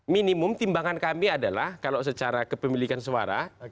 minimum timbangan kami adalah kalau secara kepemilikan suara